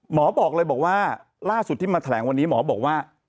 บอกเลยบอกว่าล่าสุดที่มาแถลงวันนี้หมอบอกว่า